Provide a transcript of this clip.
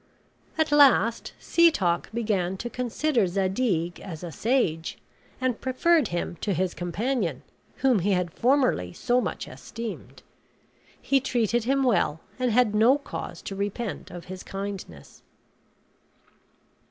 At last Setoc began to consider Zadig as a sage, and preferred him to his companion, whom he had formerly so much esteemed. He treated him well and had no cause to repent of his kindness.